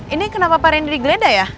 ini kenapa pak randy digledah ya